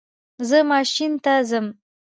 زه ماشین ته ځم